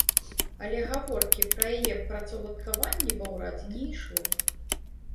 Але гаворкі пра яе працаўладкаванні ва ўрадзе не ішло.